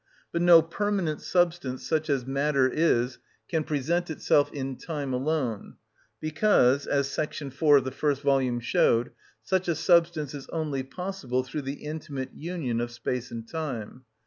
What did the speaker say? But no permanent substance, such as matter is, can present itself in time alone, because, as § 4 of the first volume showed, such a substance is only possible through the intimate union of space and time.